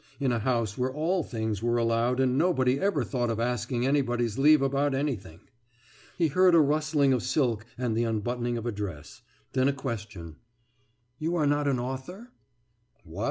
in a house where all things were allowed and nobody ever thought of asking anybody's leave about anything. He heard a rustling of silk and the unbuttoning of a dress, then a question: »You are not an author?« »What